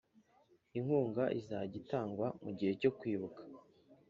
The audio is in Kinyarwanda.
inkunga izajya itangwa mu gihe cyo Kwibuka